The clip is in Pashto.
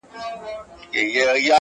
له حملې سره ملگری یې غړومبی سو؛